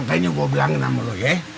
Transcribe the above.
makanya gua bilangin sama lu ya